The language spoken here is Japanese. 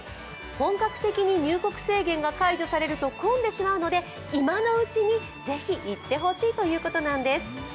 本格的に入国制限が解除されてしまうと混んでしまうので今のうちにぜひ行ってほしいということなんです。